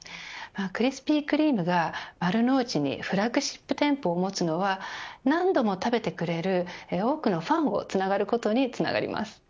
クリスピー・クリームが丸の内にフラッグシップ店舗を持つのは何度も食べてくれる多くのファンを作ることにつながります。